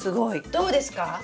どうですか？